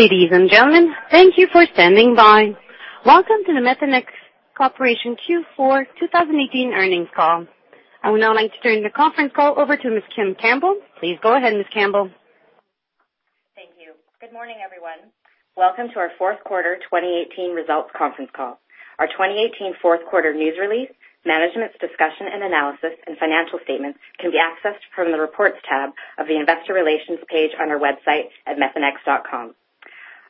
Ladies and gentlemen, thank you for standing by. Welcome to the Methanex Corporation Q4 2018 earnings call. I would now like to turn the conference call over to Ms. Kim Campbell. Please go ahead, Ms. Campbell. Thank you. Good morning, everyone. Welcome to our fourth quarter 2018 results conference call. Our 2018 fourth quarter news release, Management's Discussion and Analysis, and financial statements can be accessed from the Reports tab of the investor relations page on our website at methanex.com.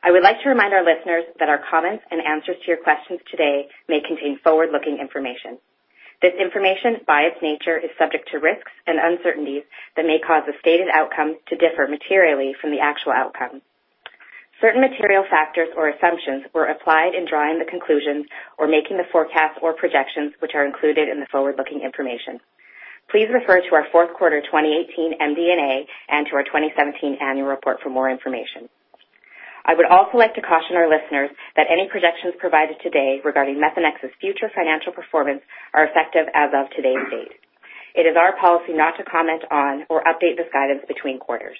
I would like to remind our listeners that our comments and answers to your questions today may contain forward-looking information. This information, by its nature, is subject to risks and uncertainties that may cause the stated outcomes to differ materially from the actual outcome. Certain material factors or assumptions were applied in drawing the conclusions or making the forecasts or projections, which are included in the forward-looking information. Please refer to our fourth quarter 2018 MD&A and to our 2017 annual report for more information. I would also like to caution our listeners that any projections provided today regarding Methanex's future financial performance are effective as of today's date. It is our policy not to comment on or update this guidance between quarters.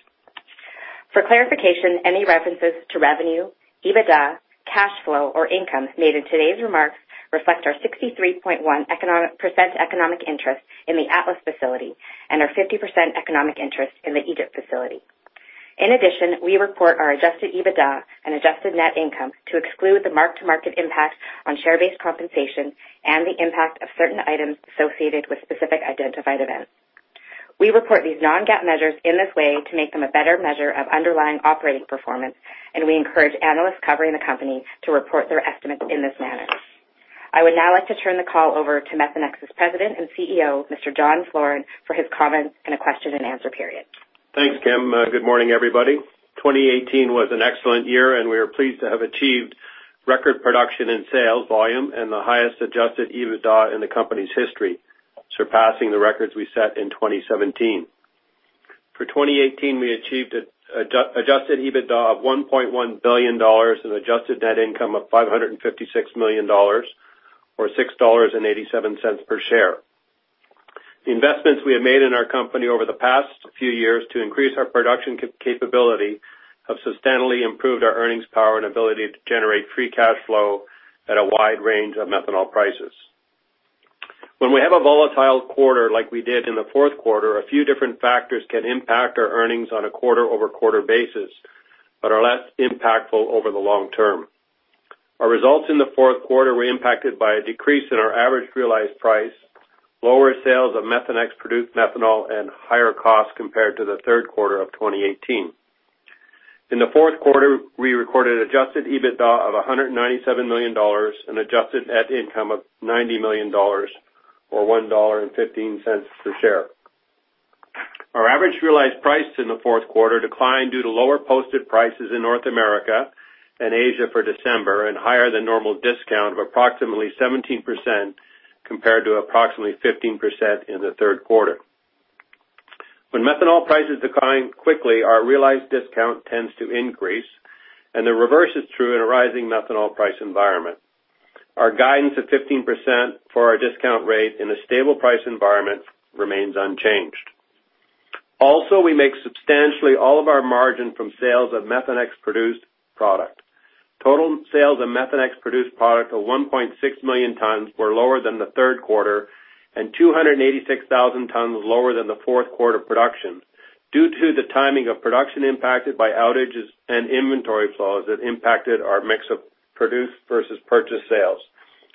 For clarification, any references to revenue, EBITDA, cash flow, or income made in today's remarks reflect our 63.1% economic interest in the Atlas facility and our 50% economic interest in the Egypt facility. In addition, we report our adjusted EBITDA and adjusted net income to exclude the mark-to-market impact on share-based compensation and the impact of certain items associated with specific identified events. We report these non-GAAP measures in this way to make them a better measure of underlying operating performance, and we encourage analysts covering the company to report their estimates in this manner. I would now like to turn the call over to Methanex's President and CEO, Mr. John Floren, for his comments and a question and answer period. Thanks, Kim. Good morning, everybody. 2018 was an excellent year. We are pleased to have achieved record production and sales volume and the highest adjusted EBITDA in the company's history, surpassing the records we set in 2017. For 2018, we achieved adjusted EBITDA of $1.1 billion and adjusted net income of $556 million or $6.87 per share. The investments we have made in our company over the past few years to increase our production capability have substantially improved our earnings power and ability to generate free cash flow at a wide range of methanol prices. When we have a volatile quarter like we did in the fourth quarter, a few different factors can impact our earnings on a quarter-over-quarter basis, but are less impactful over the long term. Our results in the fourth quarter were impacted by a decrease in our average realized price, lower sales of Methanex-produced methanol, and higher costs compared to the third quarter of 2018. In the fourth quarter, we recorded adjusted EBITDA of $197 million and adjusted net income of $90 million, or $1.15 per share. Our average realized price in the fourth quarter declined due to lower posted prices in North America and Asia for December, and higher than normal discount of approximately 17% compared to approximately 15% in the third quarter. When methanol prices decline quickly, our realized discount tends to increase. The reverse is true in a rising methanol price environment. Our guidance of 15% for our discount rate in a stable price environment remains unchanged. We make substantially all of our margin from sales of Methanex-produced product. Total sales of Methanex-produced product of 1.6 million tons were lower than the third quarter, and 286,000 tons lower than the fourth quarter production due to the timing of production impacted by outages and inventory flows that impacted our mix of produced versus purchased sales,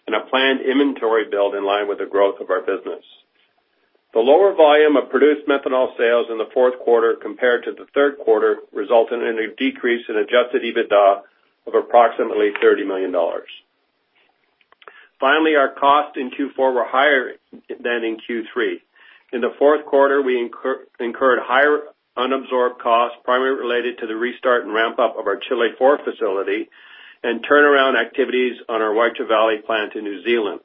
and a planned inventory build in line with the growth of our business. The lower volume of produced methanol sales in the fourth quarter compared to the third quarter resulted in a decrease in adjusted EBITDA of approximately $30 million. Our costs in Q4 were higher than in Q3. In the fourth quarter, we incurred higher unabsorbed costs, primarily related to the restart and ramp-up of our Chile IV facility and turnaround activities on our Waitara Valley plant in New Zealand.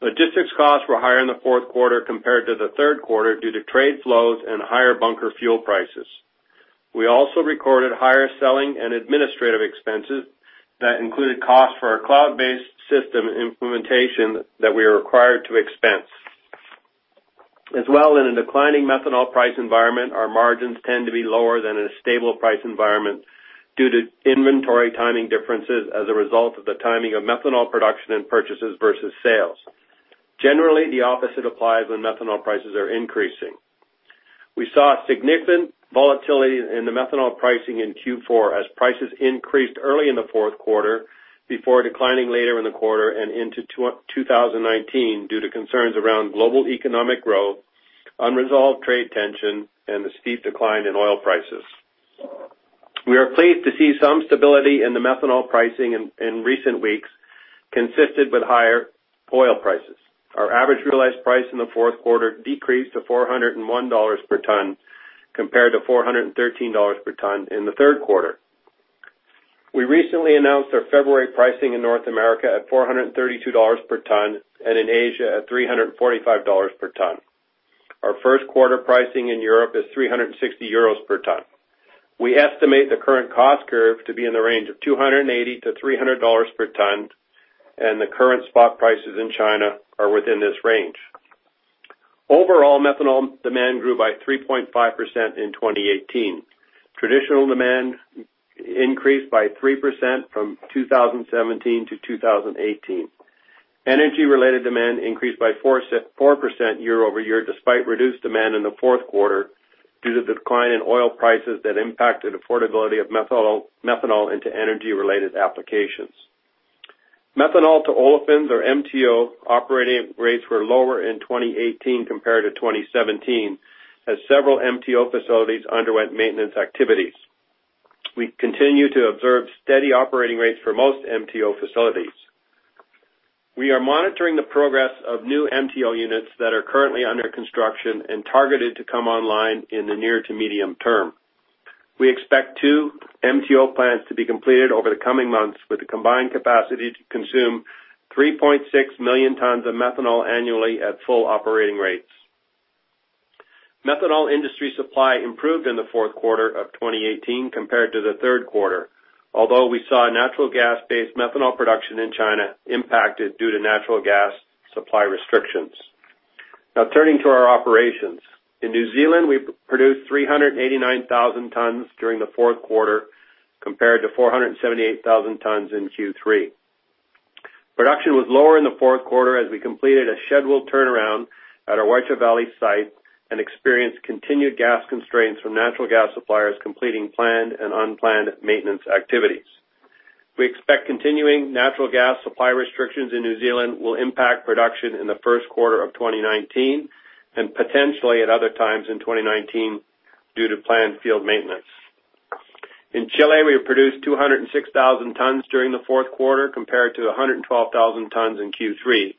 Logistics costs were higher in the fourth quarter compared to the third quarter due to trade flows and higher bunker fuel prices. We also recorded higher selling and administrative expenses that included costs for our cloud-based system implementation that we are required to expense. In a declining methanol price environment, our margins tend to be lower than in a stable price environment due to inventory timing differences as a result of the timing of methanol production and purchases versus sales. The opposite applies when methanol prices are increasing. We saw significant volatility in the methanol pricing in Q4 as prices increased early in the fourth quarter before declining later in the quarter and into 2019 due to concerns around global economic growth, unresolved trade tension, and the steep decline in oil prices. We are pleased to see some stability in the methanol pricing in recent weeks, consistent with higher oil prices. Our average realized price in the fourth quarter decreased to $401 per ton, compared to $413 per ton in the third quarter. We recently announced our February pricing in North America at $432 per ton, and in Asia at $345 per ton. Our first quarter pricing in Europe is 360 euros per ton. We estimate the current cost curve to be in the range of $280-$300 per ton, and the current spot prices in China are within this range. Overall, methanol demand grew by 3.5% in 2018. Traditional demand increased by 3% from 2017 to 2018. Energy-related demand increased by 4% year-over-year, despite reduced demand in the fourth quarter due to the decline in oil prices that impacted affordability of methanol into energy-related applications. Methanol to olefins, or MTO operating rates, were lower in 2018 compared to 2017, as several MTO facilities underwent maintenance activities. We continue to observe steady operating rates for most MTO facilities. We are monitoring the progress of new MTO units that are currently under construction and targeted to come online in the near to medium term. We expect two MTO plants to be completed over the coming months with a combined capacity to consume 3.6 million tons of methanol annually at full operating rates. Methanol industry supply improved in the fourth quarter of 2018 compared to the third quarter. We saw natural gas-based methanol production in China impacted due to natural gas supply restrictions. Now turning to our operations. In New Zealand, we produced 389,000 tons during the fourth quarter, compared to 478,000 tons in Q3. Production was lower in the fourth quarter as we completed a scheduled turnaround at our Waitara Valley site and experienced continued gas constraints from natural gas suppliers completing planned and unplanned maintenance activities. We expect continuing natural gas supply restrictions in New Zealand will impact production in the first quarter of 2019, and potentially at other times in 2019 due to planned field maintenance. In Chile, we produced 206,000 tons during the fourth quarter, compared to 112,000 tons in Q3,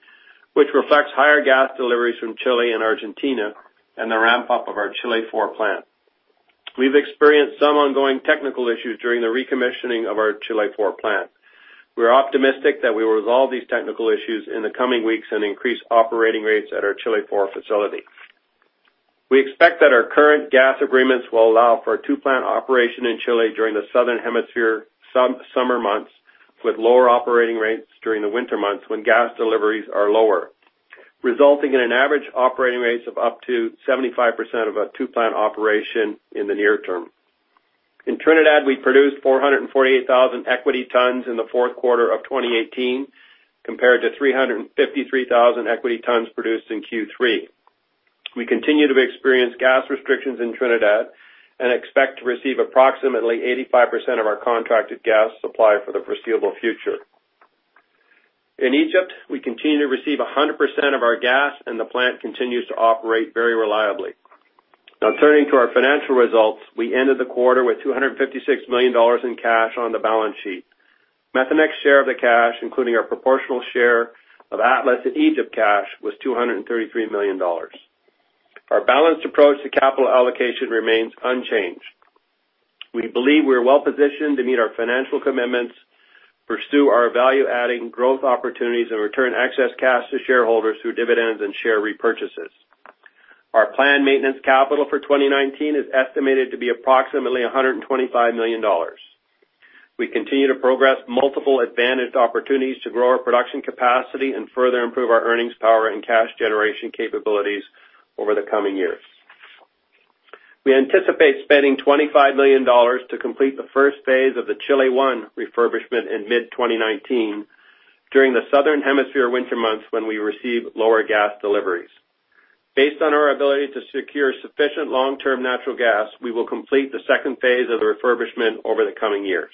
which reflects higher gas deliveries from Chile and Argentina, and the ramp-up of our Chile IV plant. We've experienced some ongoing technical issues during the recommissioning of our Chile IV plant. We're optimistic that we will resolve these technical issues in the coming weeks and increase operating rates at our Chile IV facility. We expect that our current gas agreements will allow for a two-plant operation in Chile during the Southern Hemisphere summer months, with lower operating rates during the winter months when gas deliveries are lower, resulting in an average operating rate of up to 75% of a two-plant operation in the near term. In Trinidad, we produced 448,000 equity tons in the fourth quarter of 2018, compared to 353,000 equity tons produced in Q3. We continue to experience gas restrictions in Trinidad and expect to receive approximately 85% of our contracted gas supply for the foreseeable future. In Egypt, we continue to receive 100% of our gas, and the plant continues to operate very reliably. Now turning to our financial results. We ended the quarter with $256 million in cash on the balance sheet. Methanex share of the cash, including our proportional share of Atlas in Egypt cash, was $233 million. Our balanced approach to capital allocation remains unchanged. We believe we're well-positioned to meet our financial commitments, pursue our value-adding growth opportunities, and return excess cash to shareholders through dividends and share repurchases. Our planned maintenance capital for 2019 is estimated to be approximately $125 million. We continue to progress multiple advantaged opportunities to grow our production capacity and further improve our earnings power and cash generation capabilities over the coming years. We anticipate spending $25 million to complete the first phase of the Chile I refurbishment in mid-2019 during the Southern Hemisphere winter months when we receive lower gas deliveries. Based on our ability to secure sufficient long-term natural gas, we will complete the second phase of the refurbishment over the coming years.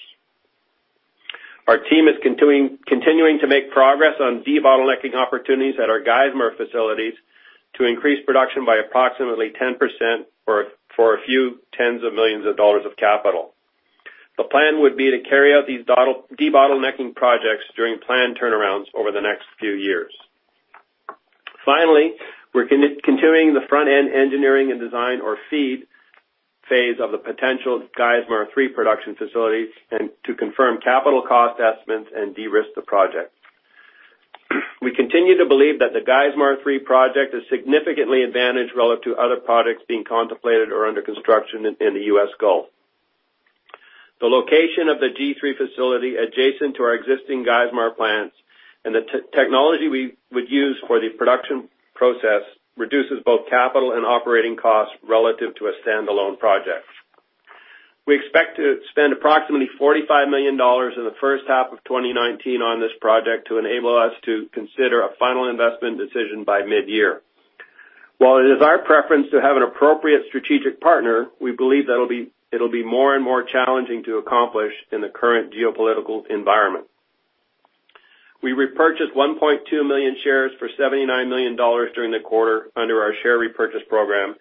Our team is continuing to make progress on debottlenecking opportunities at our Geismar facilities to increase production by approximately 10% for a few tens of millions of dollars of capital. The plan would be to carry out these debottlenecking projects during planned turnarounds over the next few years. We're continuing the front-end engineering and design or FEED phase of the potential Geismar 3 production facility, and to confirm capital cost estimates and de-risk the project. We continue to believe that the Geismar 3 project is significantly advantaged relative to other projects being contemplated or under construction in the U.S. Gulf. The location of the G3 facility adjacent to our existing Geismar plants, and the technology we would use for the production process reduces both capital and operating costs relative to a standalone project. We expect to spend approximately $45 million in the first half of 2019 on this project to enable us to consider a final investment decision by mid-year. While it is our preference to have an appropriate strategic partner, we believe that it'll be more and more challenging to accomplish in the current geopolitical environment. We repurchased 1.2 million shares for $79 million during the quarter under our share repurchase program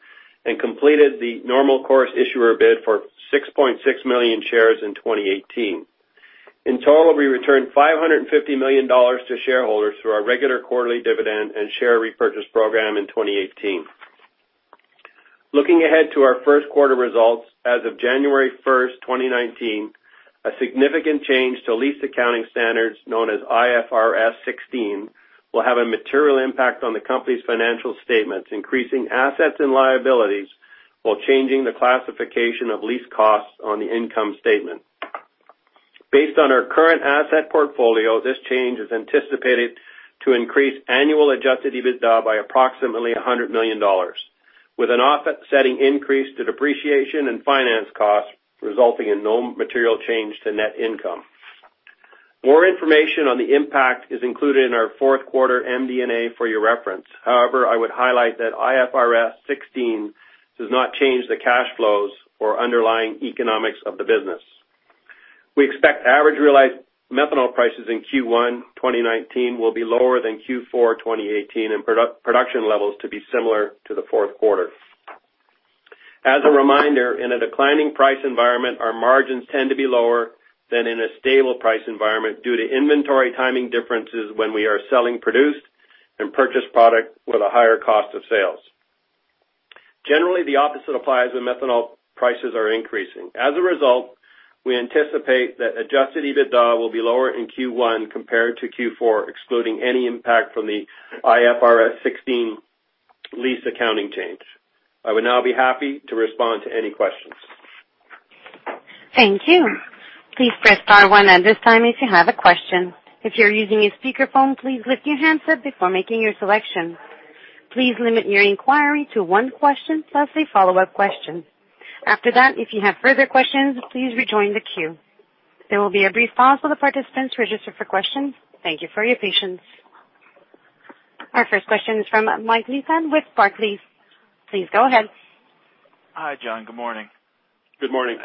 and completed the normal course issuer bid for 6.6 million shares in 2018. In total, we returned $550 million to shareholders through our regular quarterly dividend and share repurchase program in 2018. Looking ahead to our first quarter results, as of January 1st, 2019, a significant change to lease accounting standards known as IFRS 16 will have a material impact on the company's financial statements, increasing assets and liabilities while changing the classification of lease costs on the income statement. Based on our current asset portfolio, this change is anticipated to increase annual adjusted EBITDA by approximately $100 million, with an offsetting increase to depreciation and finance costs resulting in no material change to net income. More information on the impact is included in our fourth quarter MD&A for your reference. I would highlight that IFRS 16 does not change the cash flows or underlying economics of the business. We expect average realized methanol prices in Q1 2019 will be lower than Q4 2018 and production levels to be similar to the fourth quarter. As a reminder, in a declining price environment, our margins tend to be lower than in a stable price environment due to inventory timing differences when we are selling produced and purchased product with a higher cost of sales. Generally, the opposite applies when methanol prices are increasing. As a result, we anticipate that adjusted EBITDA will be lower in Q1 compared to Q4, excluding any impact from the IFRS 16 lease accounting change. I would now be happy to respond to any questions. Thank you. Please press star one at this time if you have a question. If you're using a speakerphone, please lift your handset before making your selection. Please limit your inquiry to one question, plus a follow-up question. After that, if you have further questions, please rejoin the queue. There will be a brief pause for the participants registered for questions. Thank you for your patience. Our first question is from Mike Leithead with Barclays. Please go ahead. Hi, John. Good morning. Good morning.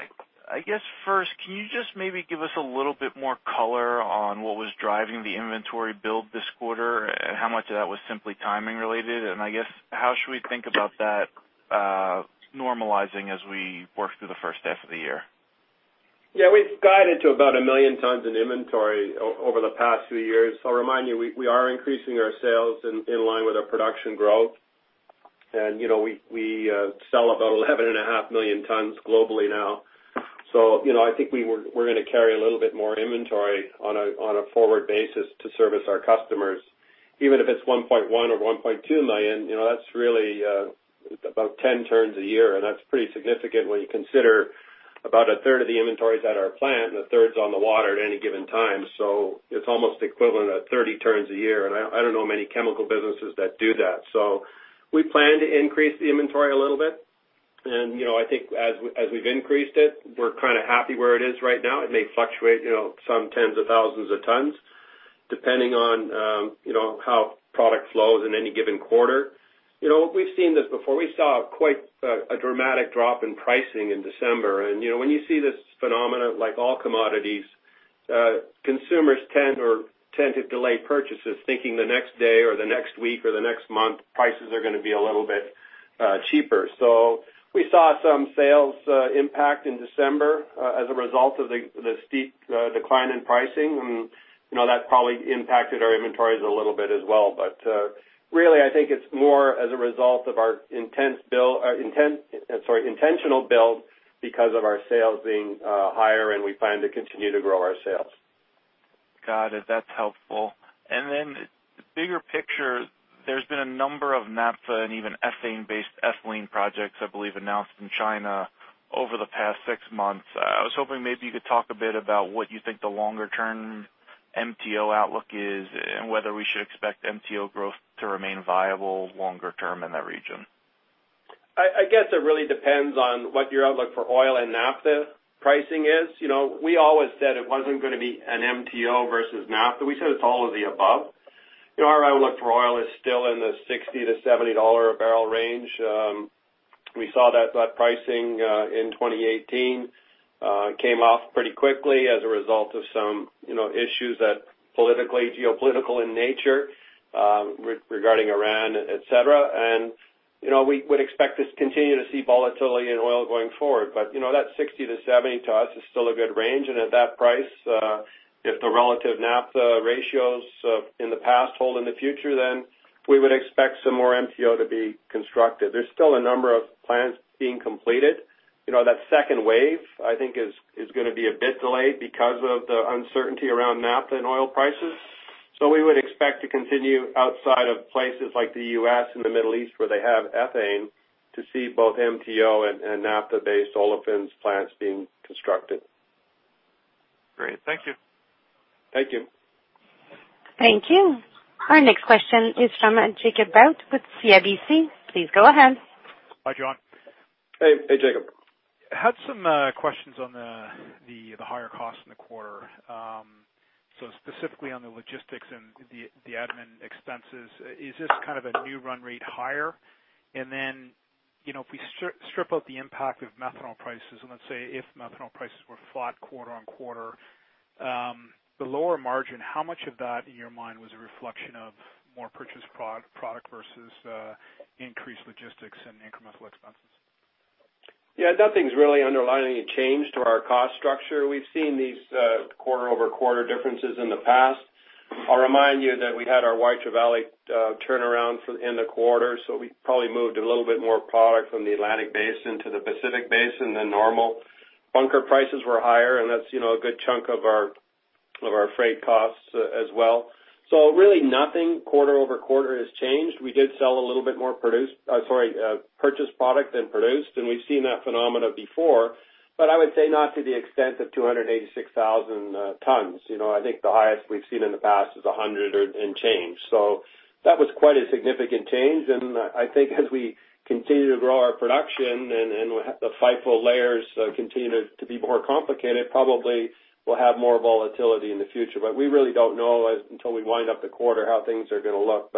I guess first, can you just maybe give us a little bit more color on what was driving the inventory build this quarter, how much of that was simply timing related, and I guess how should we think about that normalizing as we work through the first half of the year? Yeah. We've guided to about 1 million tons in inventory over the past few years. I'll remind you, we are increasing our sales in line with our production growth. We sell about 11.5 million tons globally now. I think we're going to carry a little bit more inventory on a forward basis to service our customers. Even if it's 1.1 or 1.2 million, that's really about 10 turns a year, and that's pretty significant when you consider about a third of the inventory is at our plant and a third's on the water at any given time. It's almost equivalent at 30 turns a year, and I don't know many chemical businesses that do that. We plan to increase the inventory a little bit. I think as we've increased it, we're kind of happy where it is right now. It may fluctuate some tens of thousands of tons depending on how product flows in any given quarter. We've seen this before. We saw quite a dramatic drop in pricing in December. When you see this phenomenon, like all commodities, consumers tend to delay purchases thinking the next day or the next week or the next month, prices are gonna be a little bit cheaper. We saw some sales impact in December as a result of the steep decline in pricing. That probably impacted our inventories a little bit as well. Really, I think it's more as a result of our intentional build because of our sales being higher, and we plan to continue to grow our sales. Got it. That's helpful. Then the bigger picture, there's been a number of naphtha and even ethane-based ethylene projects, I believe, announced in China over the past six months. I was hoping maybe you could talk a bit about what you think the longer-term MTO outlook is, and whether we should expect MTO growth to remain viable longer term in that region. I guess it really depends on what your outlook for oil and naphtha pricing is. We always said it wasn't gonna be an MTO versus naphtha. We said it's all of the above. Our outlook for oil is still in the $60-$70 a barrel range. We saw that pricing in 2018. It came off pretty quickly as a result of some issues that politically, geopolitical in nature, regarding Iran, et cetera. We would expect to continue to see volatility in oil going forward. That $60-$70 to us is still a good range. At that price, if the relative naphtha ratios in the past hold in the future, we would expect some more MTO to be constructed. There's still a number of plants being completed. That second wave, I think is gonna be a bit delayed because of the uncertainty around naphtha and oil prices. We would expect to continue outside of places like the U.S. and the Middle East, where they have ethane, to see both MTO and naphtha-based olefins plants being constructed. Great. Thank you. Thank you. Thank you. Our next question is from Jacob Bout with CIBC. Please go ahead. Hi, John. Hey, Jacob. I had some questions on the higher cost in the quarter. Specifically on the logistics and the admin expenses. Is this kind of a new run rate higher? If we strip out the impact of methanol prices, and let's say if methanol prices were flat quarter-on-quarter. The lower margin, how much of that, in your mind, was a reflection of more purchased product versus increased logistics and incremental expenses? Nothing's really underlying a change to our cost structure. We've seen these quarter-over-quarter differences in the past. I'll remind you that we had our Waitara Valley turnaround in the quarter, so we probably moved a little bit more product from the Atlantic Basin to the Pacific Basin than normal. Bunker prices were higher, and that's a good chunk of our freight costs as well. Really nothing quarter-over-quarter has changed. We did sell a little bit more purchased product than produced, and we've seen that phenomena before, but I would say not to the extent of 286,000 tons. I think the highest we've seen in the past is 100 and change. That was quite a significant change, and I think as we continue to grow our production and the FIFO layers continue to be more complicated, probably we'll have more volatility in the future. We really don't know until we wind up the quarter how things are going to look.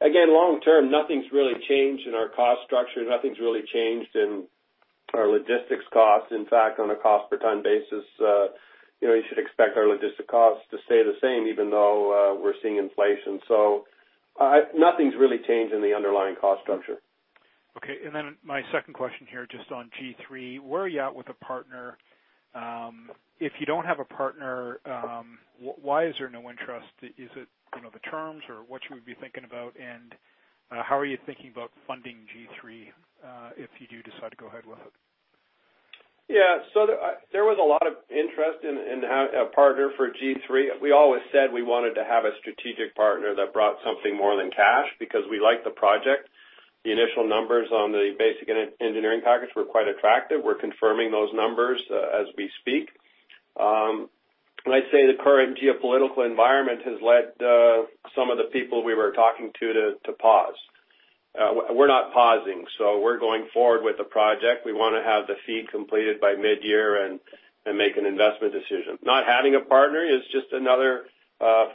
Again, long term, nothing's really changed in our cost structure. Nothing's really changed in our logistics costs. In fact, on a cost per ton basis, you should expect our logistic costs to stay the same, even though we're seeing inflation. Nothing's really changed in the underlying cost structure. My second question here, just on G3, where are you at with a partner? If you don't have a partner, why is there no interest? Is it the terms or what you would be thinking about? How are you thinking about funding G3, if you do decide to go ahead with it? There was a lot of interest in having a partner for G3. We always said we wanted to have a strategic partner that brought something more than cash because we like the project. The initial numbers on the basic engineering package were quite attractive. We're confirming those numbers as we speak. I'd say the current geopolitical environment has led some of the people we were talking to pause. We're not pausing, so we're going forward with the project. We want to have the FEED completed by mid-year and make an investment decision. Not having a partner is just another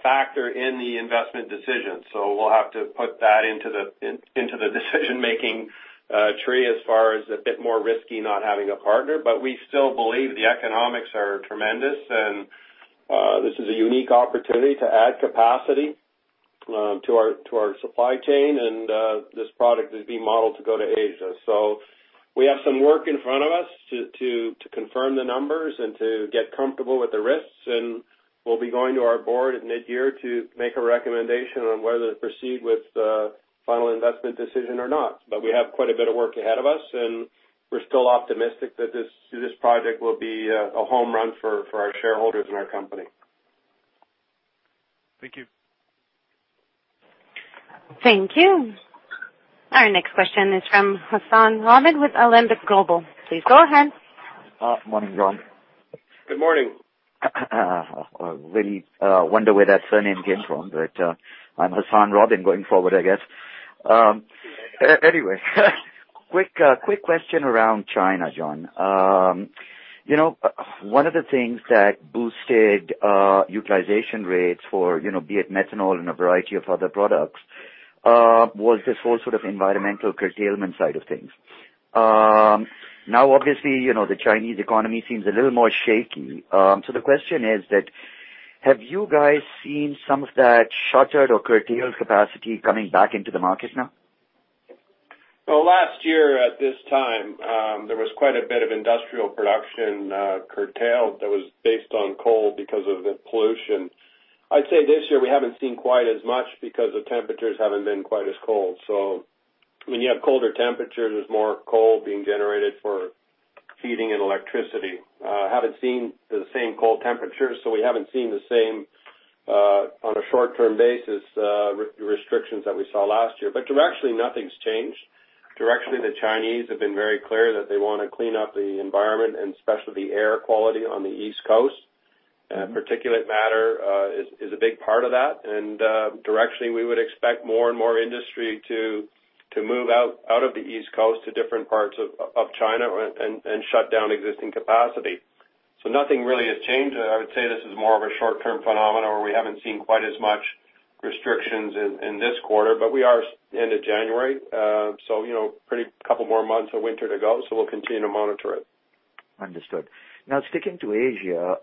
factor in the investment decision. We'll have to put that into the decision-making tree as far as a bit more risky not having a partner. We still believe the economics are tremendous, and this is a unique opportunity to add capacity to our supply chain, and this product is being modeled to go to Asia. We have some work in front of us to confirm the numbers and to get comfortable with the risks. We'll be going to our board at mid-year to make a recommendation on whether to proceed with the final investment decision or not. We have quite a bit of work ahead of us, and we're still optimistic that this project will be a home run for our shareholders and our company. Thank you. Thank you. Our next question is from Hassan Ahmed with Alembic Global Advisors. Please go ahead. Morning, John. Good morning. Really wonder where that surname came from, but I'm Hassan Ahmed going forward, I guess. Quick question around China, John. One of the things that boosted utilization rates for, be it methanol and a variety of other products, was this whole sort of environmental curtailment side of things. Now, obviously, the Chinese economy seems a little more shaky. The question is that have you guys seen some of that shuttered or curtailed capacity coming back into the market now? Well, last year at this time, there was quite a bit of industrial production curtailed that was based on coal because of the pollution. I'd say this year we haven't seen quite as much because the temperatures haven't been quite as cold. When you have colder temperatures, there's more coal being generated for heating and electricity. Haven't seen the same cold temperatures, we haven't seen the same, on a short-term basis, restrictions that we saw last year. Directionally, nothing's changed. Directionally, the Chinese have been very clear that they want to clean up the environment and especially the air quality on the East Coast. Particulate matter is a big part of that. Directionally, we would expect more and more industry to move out of the East Coast to different parts of China and shut down existing capacity. Nothing really has changed. I would say this is more of a short-term phenomena where we haven't seen quite as much restrictions in this quarter, we are into January. Pretty couple more months of winter to go, we'll continue to monitor it. Understood. Sticking to Asia,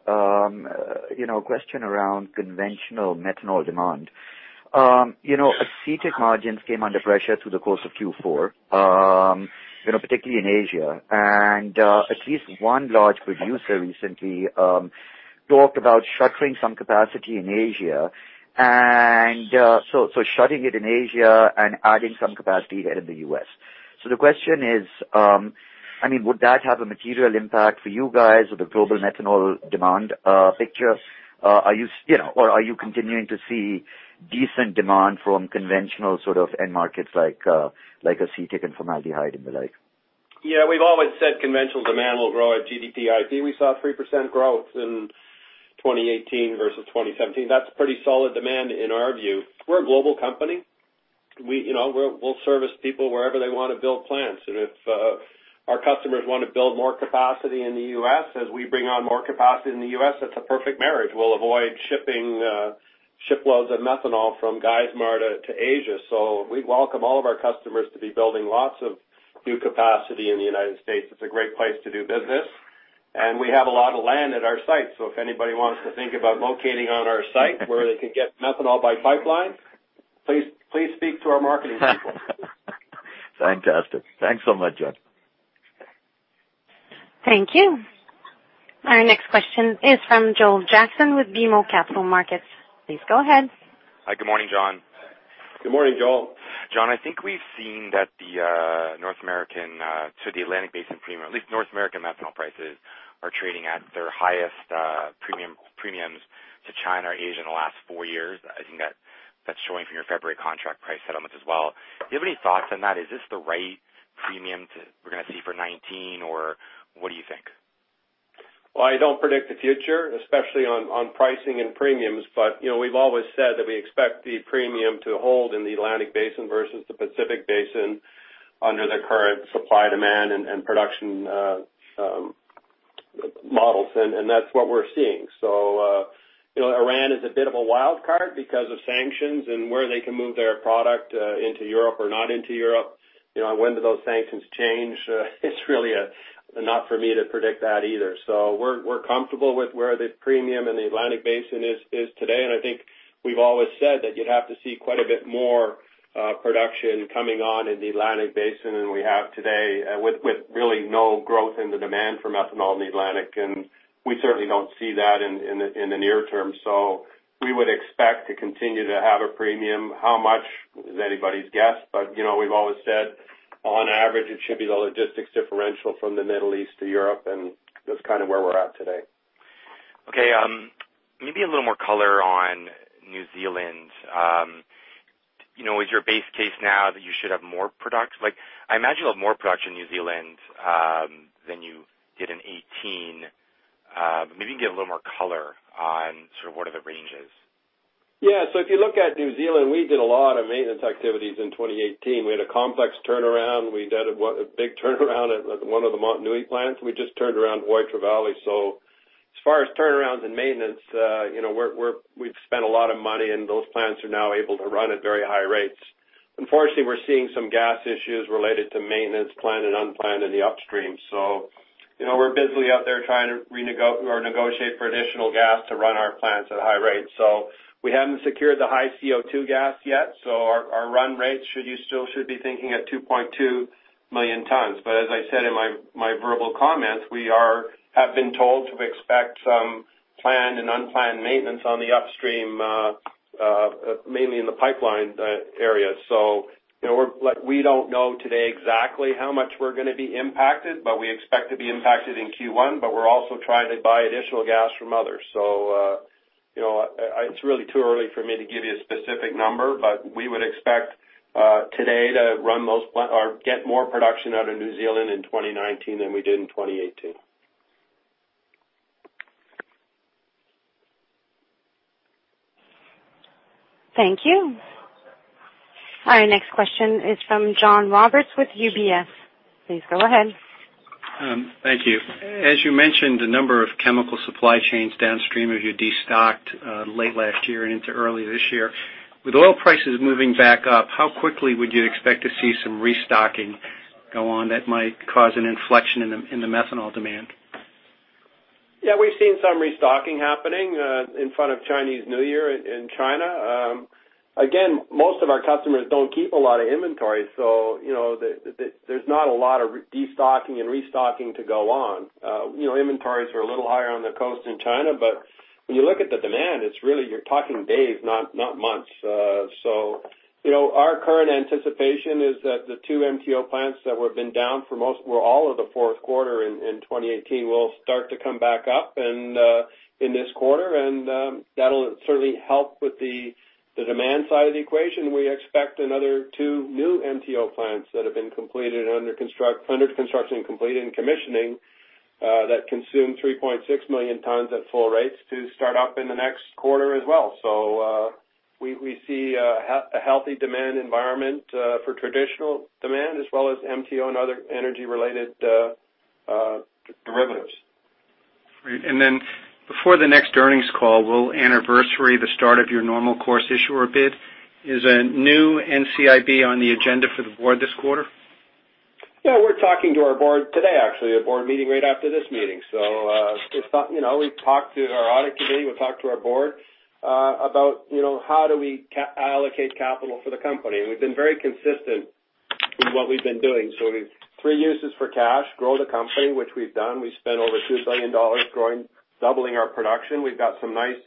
question around conventional methanol demand. Acetate margins came under pressure through the course of Q4, particularly in Asia. At least one large producer recently talked about shuttering some capacity in Asia. shutting it in Asia and adding some capacity here in the U.S. The question is, would that have a material impact for you guys or the global methanol demand picture? Are you continuing to see decent demand from conventional sort of end markets like acetic and formaldehyde and the like? Yeah. We've always said conventional demand will grow at GDP IP. We saw 3% growth in 2018 versus 2017. That's pretty solid demand in our view. We're a global company. We'll service people wherever they want to build plants. If our customers want to build more capacity in the U.S. as we bring on more capacity in the U.S., that's a perfect marriage. We'll avoid shipping shiploads of methanol from Geismar to Asia. We welcome all of our customers to be building lots of new capacity in the United States. It's a great place to do business, and we have a lot of land at our site. If anybody wants to think about locating on our site where they can get methanol by pipeline, please speak to our marketing people. Fantastic. Thanks so much, John. Thank you. Our next question is from Joel Jackson with BMO Capital Markets. Please go ahead. Hi, good morning, John. Good morning, Joel. John, I think we've seen that the North American to the Atlantic Basin premium, at least North American methanol prices, are trading at their highest premiums to China or Asia in the last four years. I think that's showing from your February contract price settlements as well. Do you have any thoughts on that? Is this the right premium we're going to see for 2019, or what do you think? Well, I don't predict the future, especially on pricing and premiums. We've always said that we expect the premium to hold in the Atlantic Basin versus the Pacific Basin under the current supply-demand and production models. That's what we're seeing. Iran is a bit of a wild card because of sanctions and where they can move their product into Europe or not into Europe. When do those sanctions change? It's really not for me to predict that either. We're comfortable with where the premium in the Atlantic Basin is today. I think we've always said that you'd have to see quite a bit more production coming on in the Atlantic Basin than we have today, with really no growth in the demand for methanol in the Atlantic. We certainly don't see that in the near term. We would expect to continue to have a premium. How much is anybody's guess. We've always said, on average, it should be the logistics differential from the Middle East to Europe, and that's kind of where we're at today. Okay. Maybe a little more color on New Zealand. Is your base case now that you should have more product? I imagine you'll have more product in New Zealand than you did in 2018. Maybe you can give a little more color on sort of what are the ranges. Yeah. If you look at New Zealand, we did a lot of maintenance activities in 2018. We had a complex turnaround. We did a big turnaround at one of the Motunui plants. We just turned around Waitara Valley. As far as turnarounds and maintenance, we've spent a lot of money, and those plants are now able to run at very high rates. Unfortunately, we're seeing some gas issues related to maintenance, planned and unplanned in the upstream. We're busily out there trying to negotiate for additional gas to run our plants at high rates. We haven't secured the high CO2 gas yet, so our run rates should still be thinking at 2.2 million tons. As I said in my verbal comments, we have been told to expect some planned and unplanned maintenance on the upstream, mainly in the pipeline area. We don't know today exactly how much we're going to be impacted, we expect to be impacted in Q1. We're also trying to buy additional gas from others. It's really too early for me to give you a specific number, we would expect today to get more production out of New Zealand in 2019 than we did in 2018. Thank you. Our next question is from John Roberts with UBS. Please go ahead. Thank you. As you mentioned, a number of chemical supply chains downstream of you destocked late last year and into early this year. With oil prices moving back up, how quickly would you expect to see some restocking go on that might cause an inflection in the methanol demand? Yeah, we've seen some restocking happening in front of Chinese New Year in China. Again, most of our customers don't keep a lot of inventory, so there's not a lot of destocking and restocking to go on. Inventories are a little higher on the coast in China, but when you look at the demand, you're talking days, not months. Our current anticipation is that the two MTO plants that have been down for all of the fourth quarter in 2018 will start to come back up in this quarter, and that'll certainly help with the demand side of the equation. We expect another two new MTO plants that have been completed under construction, completed and commissioning, that consume 3.6 million tons at full rates to start up in the next quarter as well. We see a healthy demand environment for traditional demand as well as MTO and other energy-related derivatives. Great. Before the next earnings call, will anniversary the start of your normal course issuer bid? Is a new NCIB on the agenda for the Board this quarter? Yeah. We're talking to our Board today, actually. A Board meeting right after this meeting. We talk to our Audit Committee, we talk to our Board about how do we allocate capital for the company. We've been very consistent with what we've been doing. We've three uses for cash. Grow the company, which we've done. We've spent over $2 billion growing, doubling our production. We've got some nice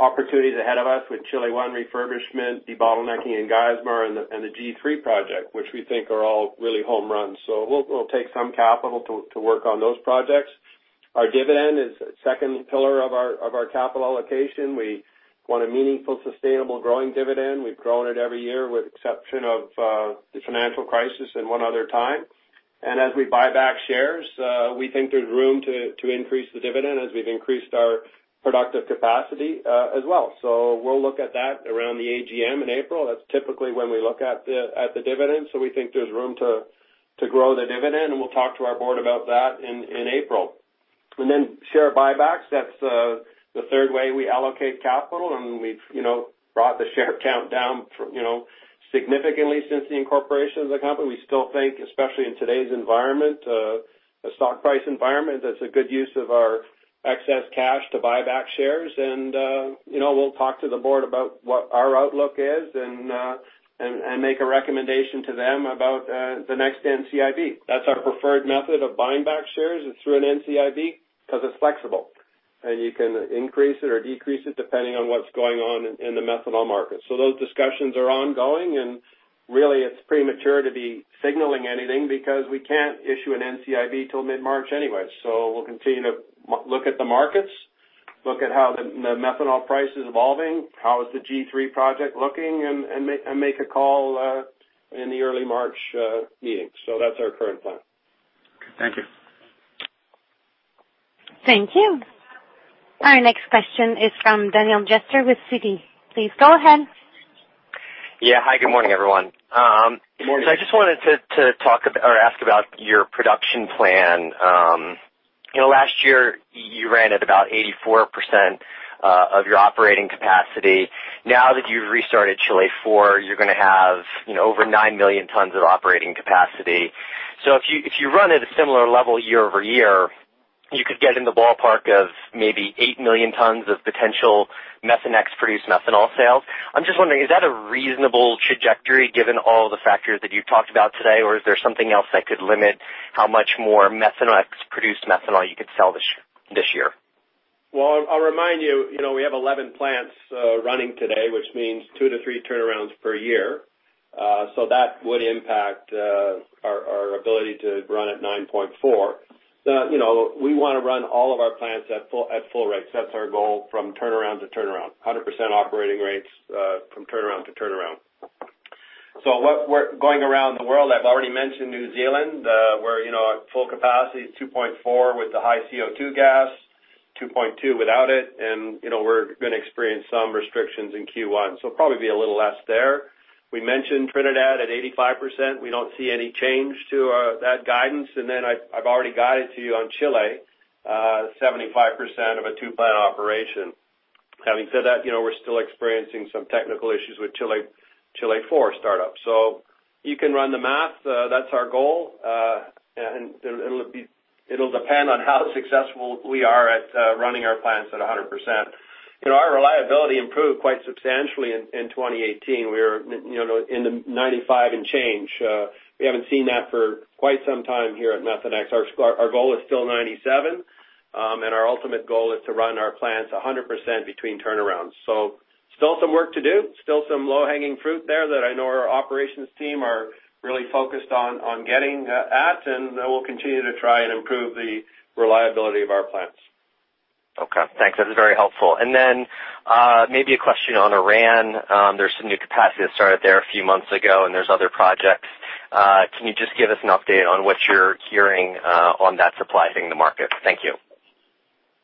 opportunities ahead of us with Chile I refurbishment, debottlenecking in Geismar, and the G3 project, which we think are all really home runs. We'll take some capital to work on those projects. Our dividend is the second pillar of our capital allocation. We want a meaningful, sustainable, growing dividend. We've grown it every year with exception of the financial crisis and one other time. As we buy back shares, we think there's room to increase the dividend as we've increased our productive capacity as well. We'll look at that around the AGM in April. That's typically when we look at the dividend. We think there's room to grow the dividend, and we'll talk to our Board about that in April. Share buybacks. That's the third way we allocate capital. We've brought the share count down significantly since the incorporation of the company. We still think, especially in today's environment, the stock price environment, that's a good use of our excess cash to buy back shares. We'll talk to the Board about what our outlook is and make a recommendation to them about the next NCIB. That's our preferred method of buying back shares is through an NCIB because it's flexible. You can increase it or decrease it depending on what's going on in the methanol market. Those discussions are ongoing, really, it's premature to be signaling anything because we can't issue an NCIB till mid-March anyway. We'll continue to look at the markets, look at how the methanol price is evolving, how is the G3 project looking, make a call in the early March meeting. That's our current plan. Thank you. Thank you. Our next question is from Daniel Jester with Citi. Please go ahead. Yeah. Hi, good morning, everyone. Good morning. I just wanted to talk or ask about your production plan. Last year, you ran at about 84% of your operating capacity. Now that you've restarted Chile IV, you're going to have over 9 million tons of operating capacity. If you run at a similar level year-over-year, you could get in the ballpark of maybe 8 million tons of potential Methanex produced methanol sales. I'm just wondering, is that a reasonable trajectory given all the factors that you've talked about today, or is there something else that could limit how much more Methanex produced methanol you could sell this year? Well, I'll remind you, we have 11 plants running today, which means 2 to 3 turnarounds per year. That would impact our ability to run at 9.4. We want to run all of our plants at full rates. That's our goal from turnaround to turnaround, 100% operating rates from turnaround to turnaround. Going around the world, I've already mentioned New Zealand, where at full capacity, 2.4 with the high CO2 gas, 2.2 without it, and we're going to experience some restrictions in Q1, so it'll probably be a little less there. We mentioned Trinidad at 85%. We don't see any change to that guidance. I've already guided to you on Chile, 75% of a 2-plant operation. Having said that, we're still experiencing some technical issues with Chile IV startup. You can run the math. That's our goal. It'll depend on how successful we are at running our plants at 100%. Our reliability improved quite substantially in 2018. We're in the 95 and change. We haven't seen that for quite some time here at Methanex. Our goal is still 97, and our ultimate goal is to run our plants 100% between turnarounds. Still some work to do, still some low-hanging fruit there that I know our operations team are really focused on getting at, and then we'll continue to try and improve the reliability of our plants. Okay, thanks. That's very helpful. Maybe a question on Iran. There's some new capacity that started there a few months ago, and there's other projects. Can you just give us an update on what you're hearing on that supply hitting the market? Thank you.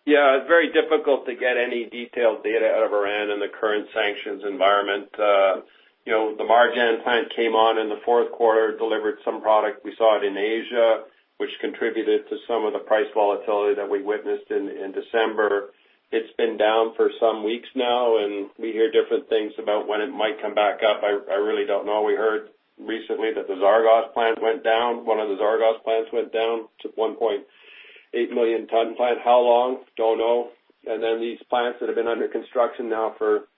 Yeah. It is very difficult to get any detailed data out of Iran in the current sanctions environment. The Marjan plant came on in the fourth quarter, delivered some product. We saw it in Asia, which contributed to some of the price volatility that we witnessed in December. It has been down for some weeks now, and we hear different things about when it might come back up. I really don't know. We heard recently that the Zagros plant went down. One of the Zagros plants went down. It is a 1.8 million ton plant. How long? Don't know. Then these plants that have been under construction now for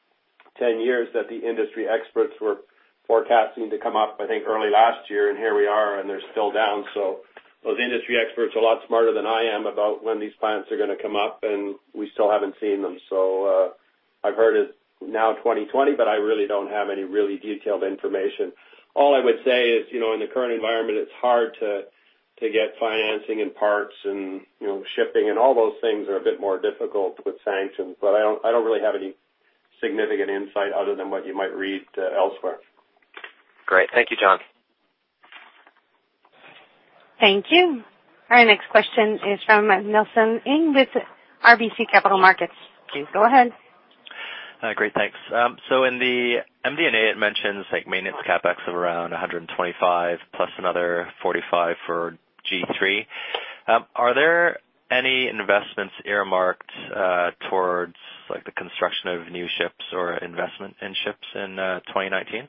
10 years, that the industry experts were forecasting to come up, I think, early last year, and here we are, and they are still down. Those industry experts are a lot smarter than I am about when these plants are going to come up, and we still haven't seen them. I have heard it now 2020, but I really don't have any really detailed information. All I would say is, in the current environment, it is hard to get financing and parts and shipping and all those things are a bit more difficult with sanctions, but I don't really have any significant insight other than what you might read elsewhere. Great. Thank you, John. Thank you. Our next question is from Nelson Ng with RBC Capital Markets. Please go ahead. Great, thanks. In the MD&A, it mentions maintenance CapEx of around $125 plus another $45 for G3. Are there any investments earmarked towards the construction of new ships or investment in ships in 2019?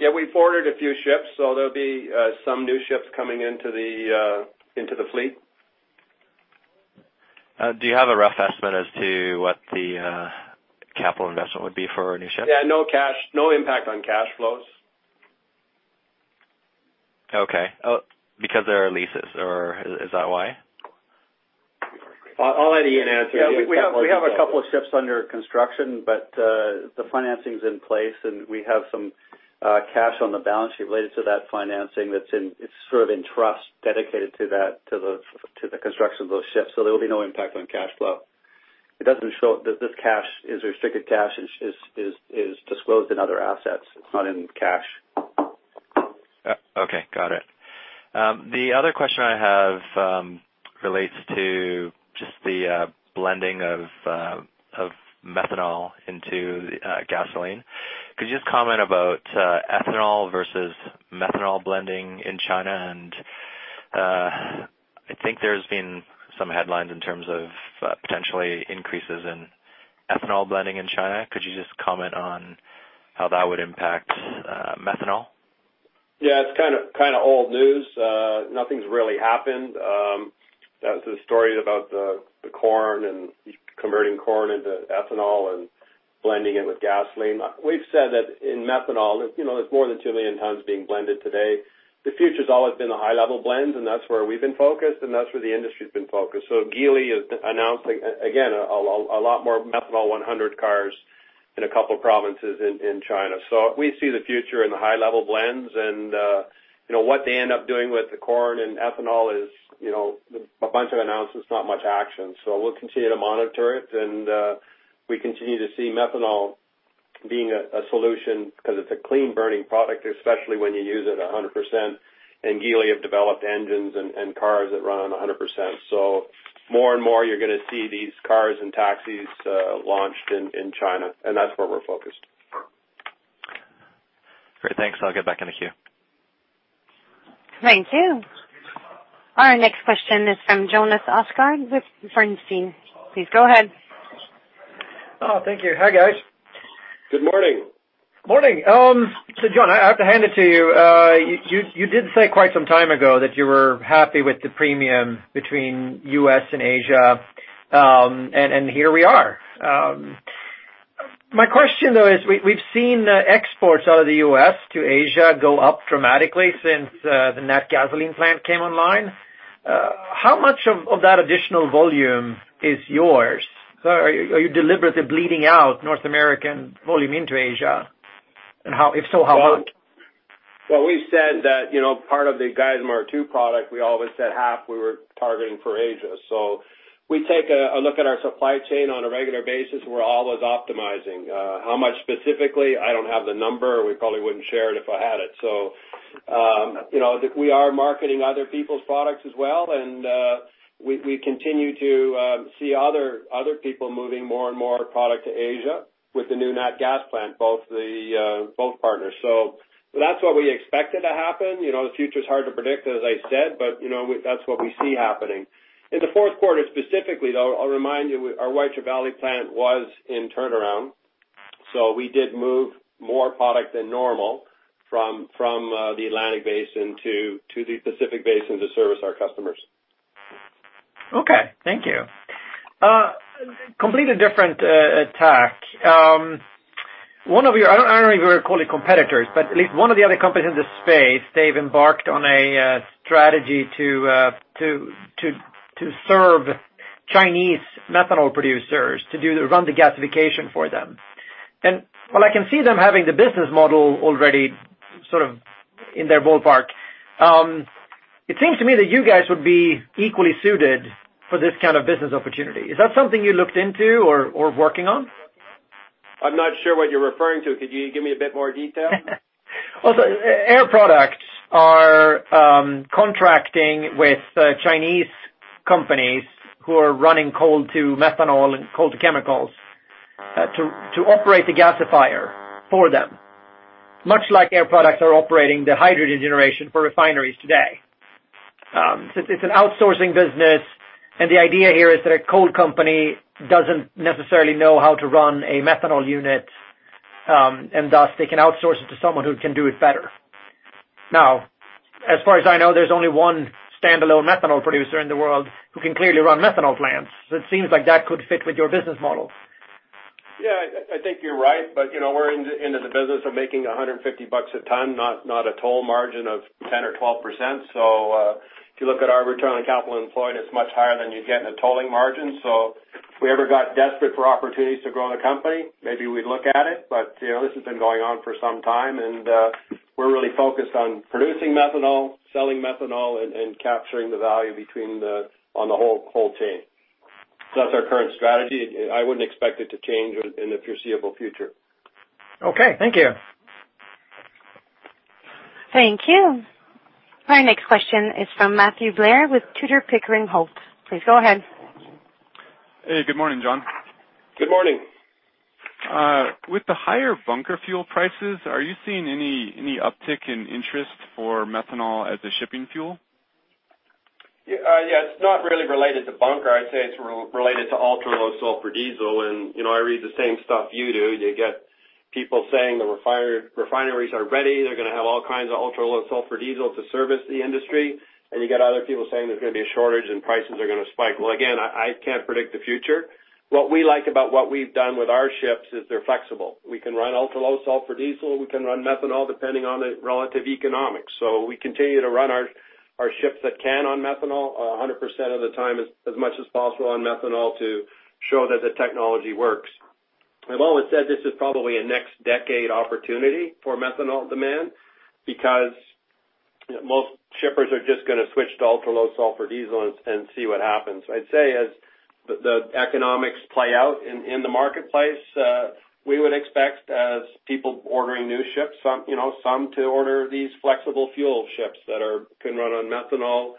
Yeah, we forwarded a few ships, so there'll be some new ships coming into the fleet. Do you have a rough estimate as to what the capital investment would be for a new ship? Yeah, no impact on cash flows. Okay. Because there are leases, or is that why? I'll let Ian answer. Yeah, we have a couple of ships under construction, but the financing's in place, and we have some cash on the balance sheet related to that financing that's in trust dedicated to the construction of those ships, there will be no impact on cash flow. This cash is restricted cash, is disclosed in other assets, not in cash. Okay, got it. The other question I have relates to just the blending of methanol into gasoline. Could you just comment about ethanol versus methanol blending in China? I think there's been some headlines in terms of potentially increases in ethanol blending in China. Could you just comment on how that would impact methanol? Yeah, it's kind of old news. Nothing's really happened. The story about the corn. We've said that in methanol, there's more than 2 million tons being blended today. The future's always been the high-level blends, and that's where we've been focused, and that's where the industry's been focused. Geely is announcing, again, a lot more M100 cars in a couple provinces in China. We see the future in the high-level blends and what they end up doing with the corn and ethanol is a bunch of announcements, not much action. We'll continue to monitor it, and we continue to see methanol being a solution because it's a clean-burning product, especially when you use it 100%. Geely have developed engines and cars that run on 100%. More and more, you're going to see these cars and taxis launched in China, and that's where we're focused. Great. Thanks. I'll get back in the queue. Thank you. Our next question is from Jonas Oxgaard with Bernstein. Please go ahead. thank you. Hi, guys. Good morning. Morning. John, I have to hand it to you. You did say quite some time ago that you were happy with the premium between U.S. and Asia, and here we are. My question, though, is we've seen exports out of the U.S. to Asia go up dramatically since the Natgasoline plant came online. How much of that additional volume is yours? Are you deliberately bleeding out North American volume into Asia? If so, how much? Well, we've said that part of the Geismar II product, we always said half we were targeting for Asia. We take a look at our supply chain on a regular basis. We're always optimizing. How much specifically? I don't have the number. We probably wouldn't share it if I had it. We are marketing other people's products as well, and we continue to see other people moving more and more product to Asia with the new Natgasoline plant, both partners. That's what we expected to happen. The future's hard to predict, as I said, that's what we see happening. In the fourth quarter specifically, though, I'll remind you, our Waitara Valley plant was in turnaround. We did move more product than normal from the Atlantic Basin to the Pacific Basin to service our customers. Okay. Thank you. Completely different tack. One of your, I don't even want to call it competitors, but at least one of the other companies in this space, they've embarked on a strategy to serve Chinese methanol producers to run the gasification for them. While I can see them having the business model already sort of in their ballpark, it seems to me that you guys would be equally suited for this kind of business opportunity. Is that something you looked into or working on? I'm not sure what you're referring to. Could you give me a bit more detail? Also, Air Products are contracting with Chinese companies who are running coal to methanol and coal to chemicals to operate the gasifier for them, much like Air Products are operating the hydrogen generation for refineries today. Since it's an outsourcing business, the idea here is that a coal company doesn't necessarily know how to run a methanol unit, and thus they can outsource it to someone who can do it better. Now, as far as I know, there's only one standalone methanol producer in the world who can clearly run methanol plants. It seems like that could fit with your business model. Yeah, I think you're right, but we're into the business of making $150 a ton, not a toll margin of 10% or 12%. If you look at our return on capital employed, it's much higher than you'd get in a tolling margin. If we ever got desperate for opportunities to grow the company, maybe we'd look at it. This has been going on for some time, and we're really focused on producing methanol, selling methanol, and capturing the value on the whole chain. That's our current strategy. I wouldn't expect it to change in the foreseeable future. Okay. Thank you. Thank you. Our next question is from Matthew Blair with Tudor, Pickering Holt. Please go ahead. Hey, good morning, John. Good morning. With the higher bunker fuel prices, are you seeing any uptick in interest for methanol as a shipping fuel? Yeah, it's not really related to bunker. I'd say it's related to ultra-low sulfur diesel. I read the same stuff you do. You get people saying the refineries are ready. They're going to have all kinds of ultra-low sulfur diesel to service the industry. You get other people saying there's going to be a shortage, and prices are going to spike. Well, again, I can't predict the future. What we like about what we've done with our ships is they're flexible. We can run ultra-low sulfur diesel. We can run methanol, depending on the relative economics. We continue to run our ships that can on methanol 100% of the time, as much as possible on methanol to show that the technology works. I've always said this is probably a next decade opportunity for methanol demand because most shippers are just going to switch to ultra-low sulfur diesel and see what happens. I'd say as the economics play out in the marketplace, we would expect as people ordering new ships, some to order these flexible fuel ships that can run on methanol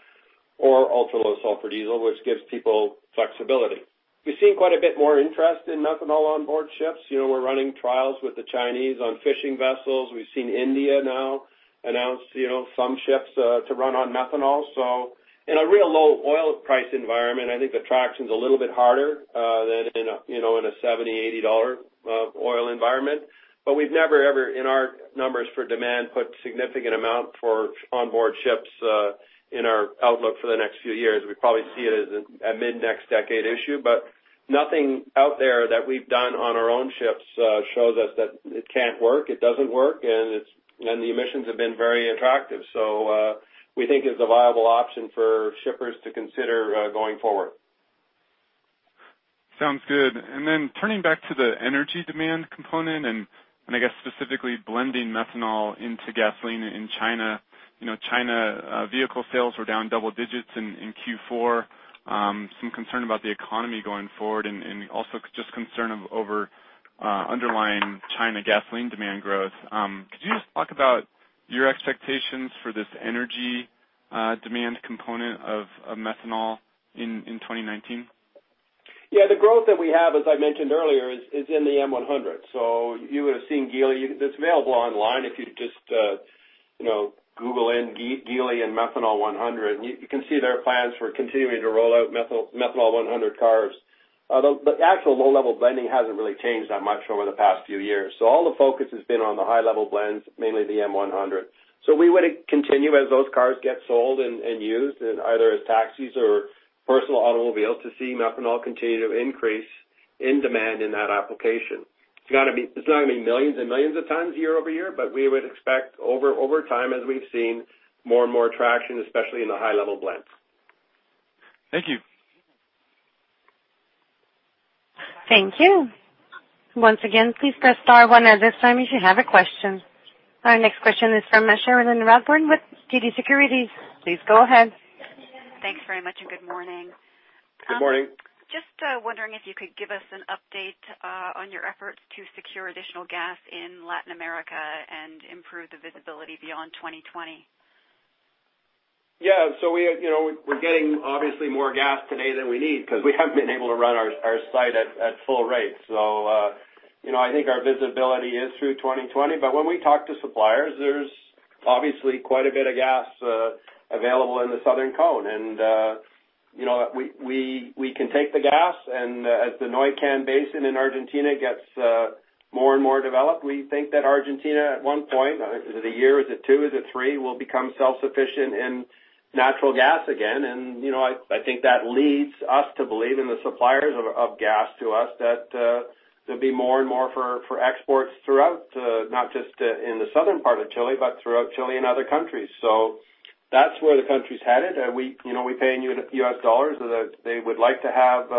or ultra-low sulfur diesel, which gives people flexibility. We've seen quite a bit more interest in methanol onboard ships. We're running trials with the Chinese on fishing vessels. We've seen India now announce some ships to run on methanol. In a real low oil price environment, I think the traction's a little bit harder than in a $70, $80 oil environment. We've never, ever, in our numbers for demand, put significant amount for onboard ships in our outlook for the next few years. We probably see it as a mid-next decade issue. Nothing out there that we've done on our own ships shows us that it can't work, it doesn't work, and the emissions have been very attractive. We think it's a viable option for shippers to consider going forward. Sounds good. Then turning back to the energy demand component and, I guess, specifically blending methanol into gasoline in China. China vehicle sales were down double digits in Q4. Some concern about the economy going forward, and also just concern over underlying China gasoline demand growth. Could you just talk about your expectations for this energy demand component of methanol in 2019? Yeah. The growth that we have, as I mentioned earlier, is in the M100. You would've seen Geely. This may all be online, if you just Google in Geely and Methanol 100, you can see their plans for continuing to roll out Methanol 100 cars. Although the actual low-level blending hasn't really changed that much over the past few years. All the focus has been on the high-level blends, mainly the M100. We would continue as those cars get sold and used, and either as taxis or personal automobiles, to see methanol continue to increase in demand in that application. It's not going to be millions and millions of tons year over year, but we would expect over time, as we've seen more and more traction, especially in the high-level blends. Thank you. Thank you. Once again, please press star one at this time if you have a question. Our next question is from Cherilyn Radbourne with TD Securities. Please go ahead. Thanks very much, good morning. Good morning. Wondering if you could give us an update on your efforts to secure additional gas in Latin America and improve the visibility beyond 2020. We're getting obviously more gas today than we need because we haven't been able to run our site at full rate. I think our visibility is through 2020. When we talk to suppliers, there's obviously quite a bit of gas available in the Southern Cone. We can take the gas and as the Neuquén Basin in Argentina gets more and more developed, we think that Argentina at one point, is it a year? Is it two? Is it three? Will become self-sufficient in natural gas again. I think that leads us to believe in the suppliers of gas to us, that there'll be more and more for exports throughout, not just in the southern part of Chile, but throughout Chile and other countries. That's where the country's headed. We pay in US dollars. They would like to have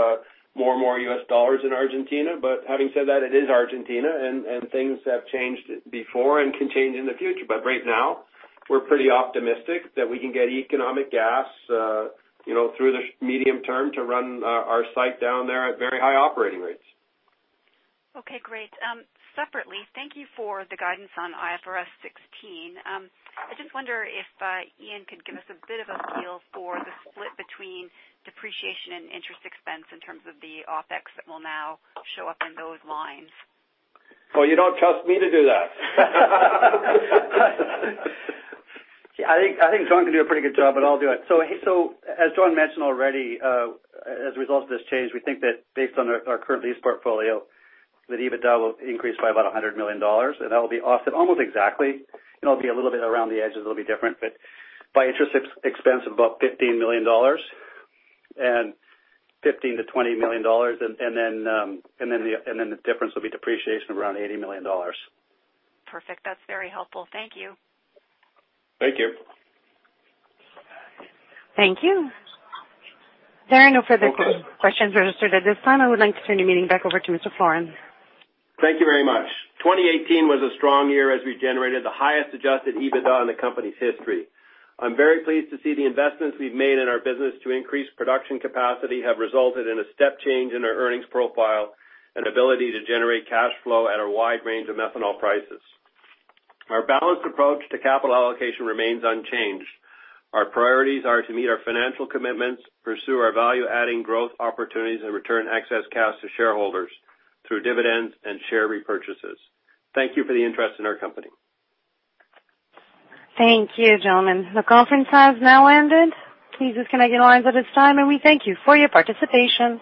more and more US dollars in Argentina. Having said that, it is Argentina, and things have changed before and can change in the future. Right now, we're pretty optimistic that we can get economic gas through the medium term to run our site down there at very high operating rates. Okay, great. Separately, thank you for the guidance on IFRS 16. I just wonder if Ian could give us a bit of a feel for the split between depreciation and interest expense in terms of the OpEx that will now show up in those lines. Oh, you don't trust me to do that? I think John can do a pretty good job, I'll do it. As John mentioned already, as a result of this change, we think that based on our current lease portfolio, that EBITDA will increase by about $100 million, and that will be offset almost exactly. It'll be a little bit around the edges, it'll be different. By interest expense of about $15 million. $15 million-$20 million, the difference will be depreciation of around $80 million. Perfect. That's very helpful. Thank you. Thank you. Thank you. There are no further questions registered at this time. I would like to turn the meeting back over to Mr. Floren. Thank you very much. 2018 was a strong year as we generated the highest adjusted EBITDA in the company's history. I'm very pleased to see the investments we've made in our business to increase production capacity have resulted in a step change in our earnings profile, and ability to generate cash flow at a wide range of methanol prices. Our balanced approach to capital allocation remains unchanged. Our priorities are to meet our financial commitments, pursue our value-adding growth opportunities, and return excess cash to shareholders through dividends and share repurchases. Thank you for the interest in our company. Thank you, gentlemen. The conference has now ended. Please disconnect your lines at this time, and we thank you for your participation.